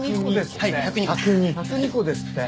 １０２個ですって。